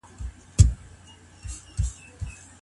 د ميرمني سره بايد څومره نرمي وسي؟